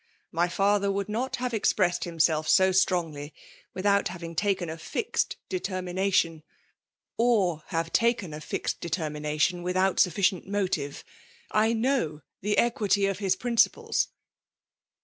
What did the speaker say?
— My fiOher would not have expressed himself so strongty, vMt* out having taken a fixed determination; or have taken a fixed determination without sufficient motive. I know the equity of Ui principles.''